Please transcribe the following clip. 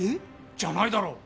じゃないだろ！